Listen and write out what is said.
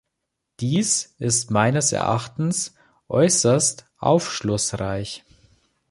Dies ist meines Erachtens äußerst aufschlussreich.